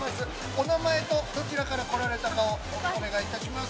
お名前とどちらから来られたかをお願いいたします。